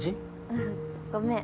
うんごめん。